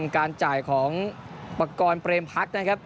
การจ่ายของประกอบเปรมพักนะครับ